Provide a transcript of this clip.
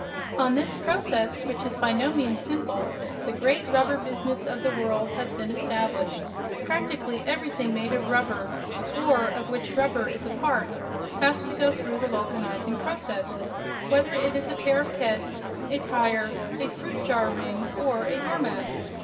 On this process, which is by no means simple, the great rubber business of the world has been established. Practically everything made of rubber, or of which rubber is a part, has to go through the vulcanizing process, whether it is a pair of Keds, a tire, a fruit jar ring, or a doormat.